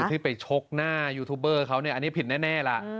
ที่ไปชกหน้ายูทูเปอร์เขาอันนี้ผิดแน่แล้ว